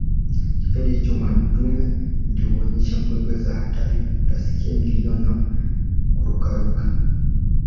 Kipindi hicho madume ndio huonyesha mbwembwe za hatari utasikia milio na kurukaruka